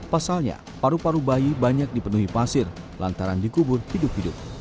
pasalnya paru paru bayi banyak dipenuhi pasir lantaran dikubur hidup hidup